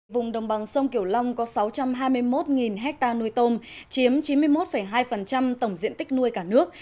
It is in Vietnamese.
vùng đồng bằng sông kiểu long có sáu trăm hai mươi một ha nuôi tôm chiếm chín mươi một hai tổng diện tích nuôi cả nước